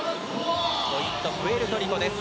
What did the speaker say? ポイント、プエルトリコです。